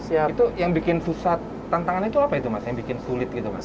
itu yang bikin susah tantangan itu apa itu mas yang bikin sulit gitu mas